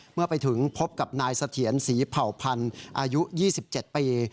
เมื่อไปถึงพบกับนายเสถียรศรีเผ่าพันธุ์อายุ๒๗ปี